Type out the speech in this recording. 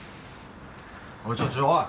おいちょちょおい！